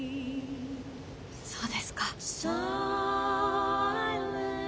そうですか。